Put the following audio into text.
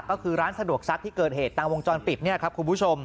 ก็คือร้านสะดวกซักที่เกิดเหตุตามวงจรปิดเนี่ยครับคุณผู้ชม